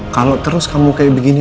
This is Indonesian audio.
kalau terus kamu kayak begini